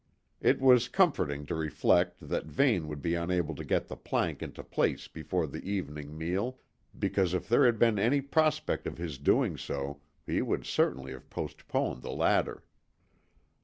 It was comforting to reflect that Vane would be unable to get the plank into place before the evening meal, because if there had been any prospect of his doing so, he would certainly have postponed the latter.